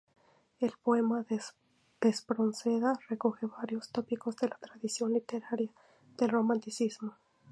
El poema de Espronceda recoge varios tópicos de la tradición literaria del romanticismo.